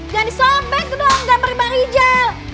jangan disobek dong gambar bang rijal